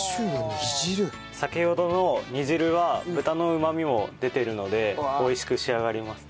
先ほどの煮汁は豚のうまみも出ているので美味しく仕上がります。